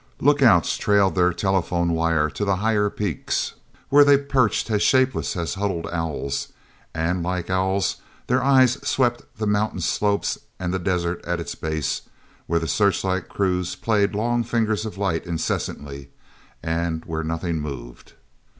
Lookouts trailed their telephone wire to the higher peaks, where they perched as shapeless as huddled owls; and, like owls, their eyes swept the mountain's slopes and the desert at its base, where the searchlight crews played long fingers of light incessantly—and where nothing moved.